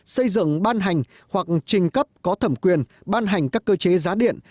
xây dựng ban hành hoặc trình cấp có thẩm quyền ban hành các cơ chế giá điện